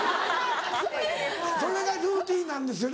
それがルーティンなんですよね